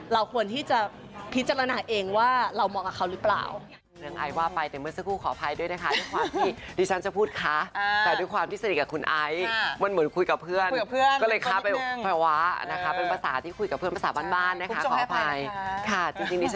เราควรที่จะพิจารณาเองว่าเรามองกับเขาหรือเปล่า